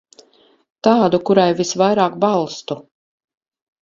Tādu, kurai visvairāk balstu.